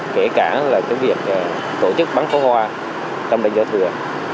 kể cả là cái việc tổ chức bắn phó hoa trong đại gia thừa